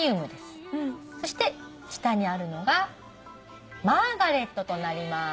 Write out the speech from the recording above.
そして下にあるのがマーガレットとなります。